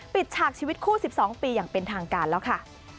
ฉากชีวิตคู่๑๒ปีอย่างเป็นทางการแล้วค่ะ